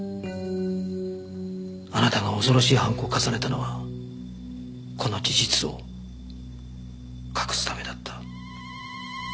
あなたが恐ろしい犯行を重ねたのはこの事実を隠すためだった。